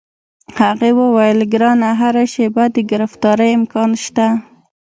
هغې وویل: ګرانه، هره شیبه د ګرفتارۍ امکان شته.